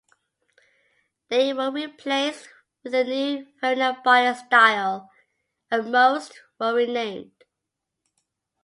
They were replaced with a new Farina body style and most were renamed.